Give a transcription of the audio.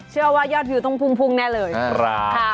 เชื่อว่ายอดผิวต้องพุ่งแน่เลยค่ะ